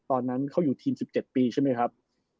ตอนนั้นเขาอยู่ทีม๑๗ปีใช่ไหมครับ